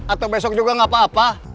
atau besok juga gak apa apa